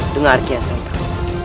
dengar kian santang